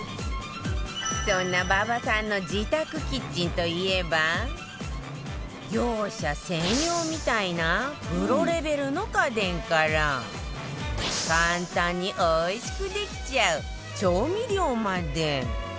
そんな馬場さんの自宅キッチンといえば業者専用みたいなプロレベルの家電から簡単においしくできちゃう調味料まで